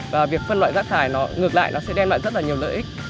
và việc phân loại rác thải nó ngược lại nó sẽ đem lại rất là nhiều lợi ích